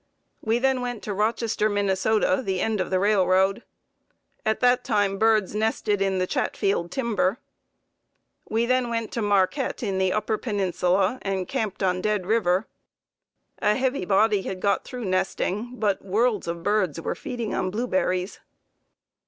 We then went to Rochester, Minn., the end of the railroad. At that time birds nested in the Chatfield timber. We then went to Marquette in the Upper Peninsula and camped on Dead River. A heavy body had got through nesting, but worlds of birds were feeding on blueberries.